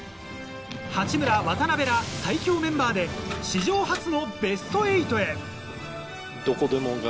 八村、渡邊ら最強メンバーで史上初のベスト８へ。